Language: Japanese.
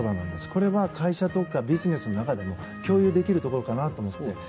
これは会社とかビジネスの中でも共有できるところかなと思って。